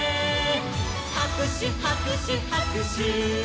「はくしゅはくしゅはくしゅ」